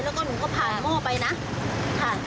แล้วก็หนูก็ผ่านหม้อไปนะค่ะ